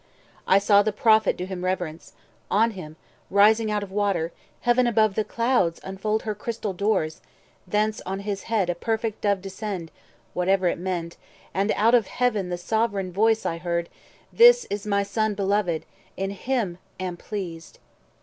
I saw The Prophet do him reverence; on him, rising 80 Out of the water, Heaven above the clouds Unfold her crystal doors; thence on his head A perfet Dove descend (whate'er it meant); And out of Heaven the sovraign voice I heard, 'This is my Son beloved,—in him am pleased.